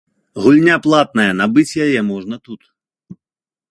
Гульня платная, набыць яе можна тут.